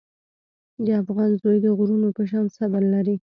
د افغان زوی د غرونو په شان صبر لري.